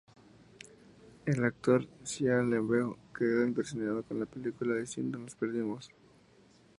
El actor Shia LaBeouf no quedó impresionado con la película, diciendo, ""Nos perdimos.